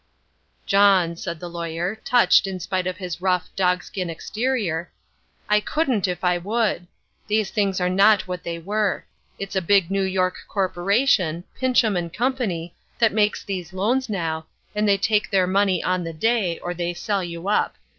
"John," said the lawyer, touched in spite of his rough (dogskin) exterior, "I couldn't, if I would. These things are not what they were. It's a big New York corporation, Pinchem & Company, that makes these loans now, and they take their money on the day, or they sell you up.